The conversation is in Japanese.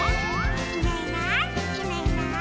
「いないいないいないいない」